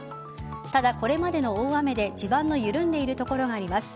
ただ、これまでの大雨で地盤が緩んでいる所があります。